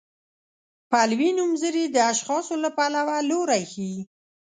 پلوي نومځري د اشخاصو له پلوه لوری ښيي.